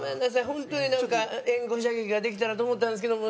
本当になんか援護射撃ができたらと思ったんですけども。